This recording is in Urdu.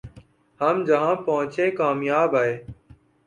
ہم جہاں پہنچے کامیاب آئے